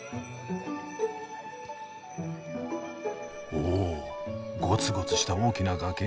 おおゴツゴツした大きな崖！